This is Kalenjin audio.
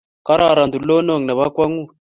Kororon tulonok nebo kwongut